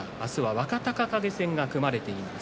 若隆景戦が組まれています。